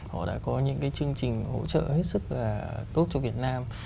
họ đã có những cái chương trình hỗ trợ hết sức là tốt cho việt nam